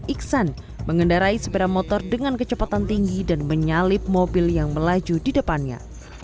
iksan mengendarai sepeda motor dengan kecepatan tinggi dan menyalip mobil yang melaju di depannya